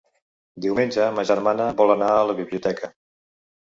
Diumenge ma germana vol anar a la biblioteca.